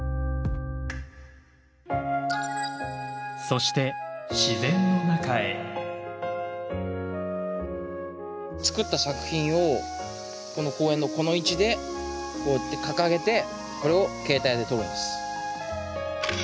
そして作った作品をこの公園のこの位置でこうやって掲げてこれを携帯で撮るんです。